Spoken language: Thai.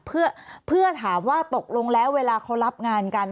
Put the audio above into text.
เพื่อถามว่าตกลงแล้วเวลาเขารับงานกัน